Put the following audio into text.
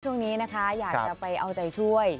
ช่วงนี้นะคะอยากจะไปเอาใจช่วย